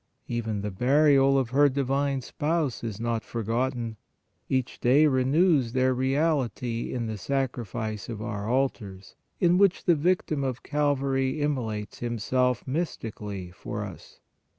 Even the burial of her divine Spouse is not forgotten. Each day re news their reality in the Sacrifice of our altars, in which the Victim of Calvary immolates Himself mystically for us.